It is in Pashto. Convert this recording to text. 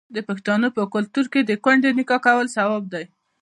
د پښتنو په کلتور کې د کونډې نکاح کول ثواب دی.